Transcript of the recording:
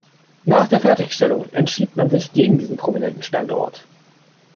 Nach der Fertigstellung entschied man sich gegen diesen prominenten Standort.